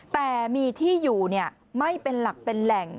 แต่มีที่อยู่ไม่เป็นหลักเป็นแหล่ง